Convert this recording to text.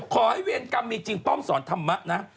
ขอให้เวรกรรมมีจริงเพราะเปิ่งสอนธรรมะนะ